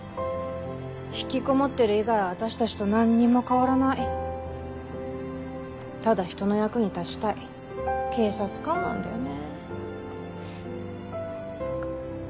ひきこもってる以外は私たちとなんにも変わらないただ人の役に立ちたい警察官なんだよね。